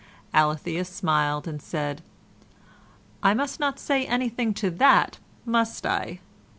Alethea smiled and said, "I must not say anything to that, must I?"